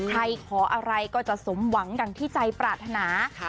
ใครขออะไรก็จะสมหวังดังที่ใจปรารถนา